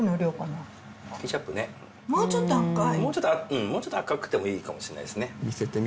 ケチャップねもうちょっと赤くてもいいかもしれないですね